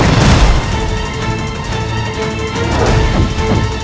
terima kasih gawat